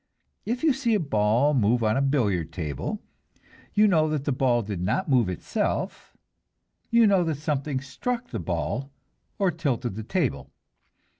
If you see a ball move on a billiard table, you know that the ball did not move itself; you know that something struck the ball or tilted the table.